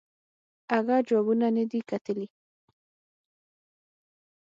اگه جوابونه ندي کتلي.